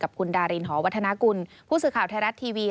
คุณดารินหอวัฒนากุลผู้สื่อข่าวไทยรัฐทีวี